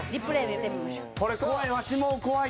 これ怖い。